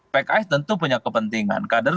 pks tentu punya kepentingan kader